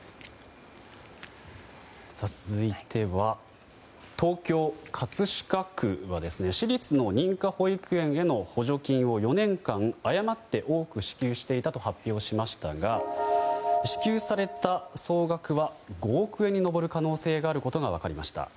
続いて、東京・葛飾区は私立の認可保育園への補助金を４年間誤って多く支給していたと発表しましたが支給された総額は５億円に上る可能性があることが分かりました。